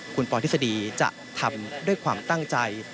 คุณปอทฤษฎีจะทำด้วยความตั้งใจ